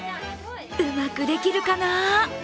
うまくできるかな？